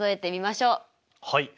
はい。